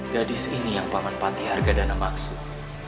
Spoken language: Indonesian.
gadis ini yang paman panti harga dana maksud